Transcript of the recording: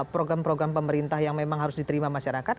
program program pemerintah yang memang harus diterima masyarakat